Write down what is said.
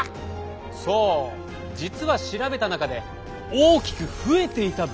そう実は調べた中で大きく増えていた物質もあるんだ。